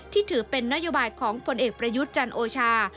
ถือเป็นนโยบายของผลเอกประยุทธ์จันโอชา